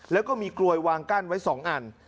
แล้วก็มีกลวยวางกั้นไว้๒อัน